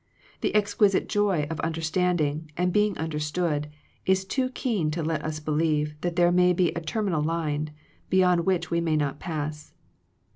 The ex quisite joy of understanding, and being understood, is too keen to let us believe, that there may be a terminal line, beyond which we may not pass.